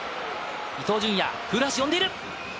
伊東純也、古橋、呼んでいる。